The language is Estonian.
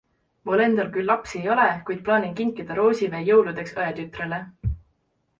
Mul endal küll lapsi ei ole, kuid plaanin kinkida roosivee jõuludeks õetütrele.